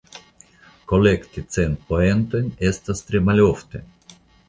Kolekti cent poentojn estas tre malofte.